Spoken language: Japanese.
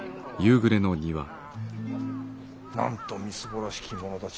なんとみすぼらしき者たち